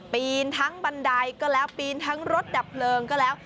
ปีนทั้งบันไดก็แล้วปีนทั้งรถดับเพลิงก็แล้ว